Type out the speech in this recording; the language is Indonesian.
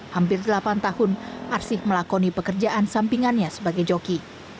hampir delapan tahun arsih melakoni pekerjaan sampingannya sebagai joki